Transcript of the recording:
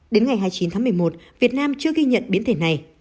đến ngày hai mươi chín tháng một mươi một việt nam chưa ghi nhận biến thể này